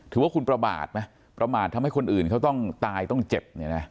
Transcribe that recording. ถือว่าคุณประมาทไหมประมาททำให้คนอื่นเขาต้องตายต้องเจ็บเนี่ยนะ